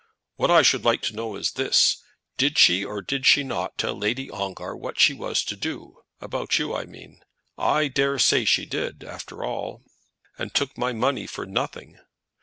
"What I should like to know is this: did she or did she not tell Lady Ongar what she was to do; about you I mean? I daresay she did after all." "And took my money for nothing?"